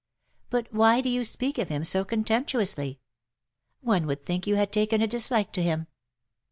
But why do you speak of him so contemptuously ? One would think you had taken a dislike to him.